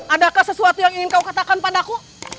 adakah sesuatu yang ingin kau katakan padaku